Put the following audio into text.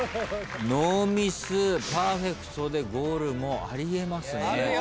ノーミスパーフェクトでゴールもあり得ますね。